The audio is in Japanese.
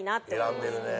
選んでるね。